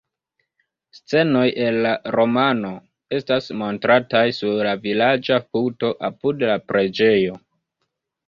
Scenoj el la romano estas montrataj sur la vilaĝa puto apud la preĝejo.